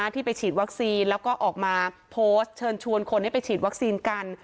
ที่ไปฉีดวัคซีนแล้วก็ออกมาโพสต์เชิญชวนคนให้ไปฉีดวัคซีนกัน